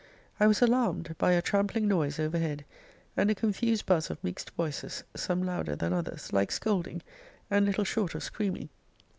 I was alarmed by a trampling noise over head, and a confused buz of mixed voices, some louder than others, like scolding, and little short of screaming.